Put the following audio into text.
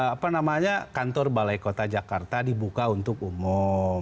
apa namanya kantor balai kota jakarta dibuka untuk umum